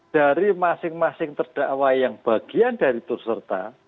dari masing masing terdakwa yang bagian dari terserta